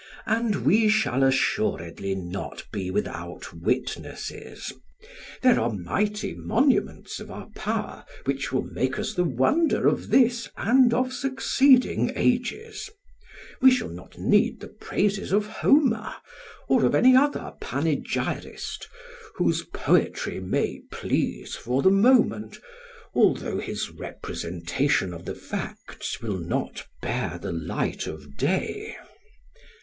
And we shall assuredly not be without witnesses; there are mighty monuments of our power which will make us the wonder of this and of succeeding ages: we shall not need the praises of Homer or of any other panegyrist, whose poetry may please for the moment, although his representation of the facts will not bear the light of day.